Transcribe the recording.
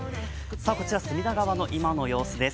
こちら隅田川の今の様子です。